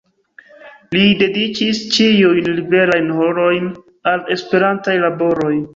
Li dediĉis ĉiujn liberajn horojn al Esperantaj laboroj.